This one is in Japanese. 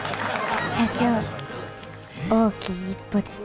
社長大きい一歩ですね。